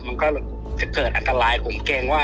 มันก็จะเกิดอันตรายผม